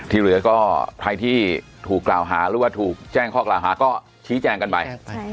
ที่เหลือก็ใครที่ถูกกล่าวหาหรือว่าถูกแจ้งข้อกล่าวหาก็ชี้แจงกันไป